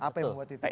apa yang buat itu